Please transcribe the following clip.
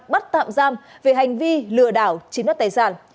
bắt tạm giam về hành vi lừa đảo chiếm đất tài sản